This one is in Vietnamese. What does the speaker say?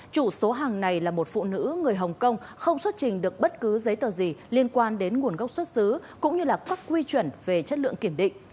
chủ số hàng này là một phụ nữ người hồng kông không xuất trình được bất cứ giấy tờ gì liên quan đến nguồn gốc xuất xứ cũng như là các quy chuẩn về chất lượng kiểm định